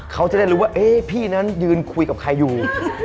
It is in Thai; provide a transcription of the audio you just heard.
เขาจะได้รู้ว่าพี่นั้นยืนคุยกับใครอยู่